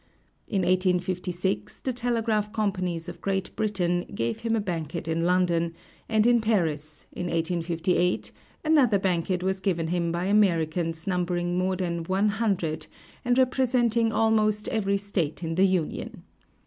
In 1856 the telegraph companies of Great Britain gave him a banquet in London; and in Paris, in 1858, another banquet was given him by Americans numbering more than 100, and representing almost every State in the Union.